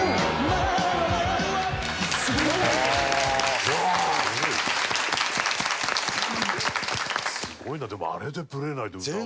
すごいなでもあれでブレないで歌うんだ。